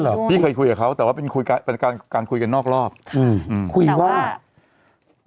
อ๋อเหรอพี่เคยคุยกับเขาแต่ว่าเป็นการคุยกันนอกรอบคุยว่าแต่ว่า